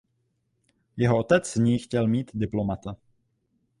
Jeho otec z něj chtěl mít diplomata.